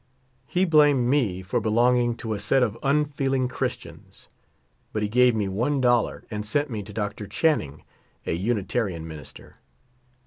He blamed me for belonging to a set of unfeeling Christians. But he gave me one dollar and sent me to Dr. Channing, a Unitarian minister.